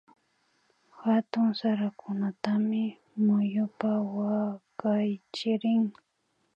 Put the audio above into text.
Hatun sarakunatami muyupa wakaychirin